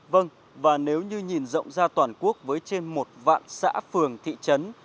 vâng và nếu như nhìn rộng ra toàn quốc với trên một vạn xã phường thị trấn